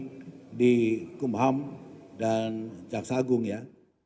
jadi kumham dan jaksa agung ya